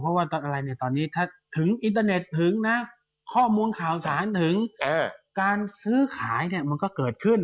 เพราะว่าตอนนี้ถึงอินเตอร์เน็ตถึงข้อมูลข่าวสารถึงการซื้อขายมันก็เกิดขึ้น